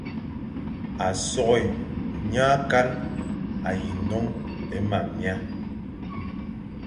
A soghé nye akal a yi non é mam mia,